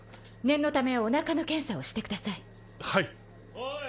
・おい